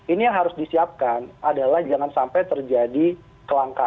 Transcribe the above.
ini yang harus disiapkan adalah jangan sampai terjadi kelangkaan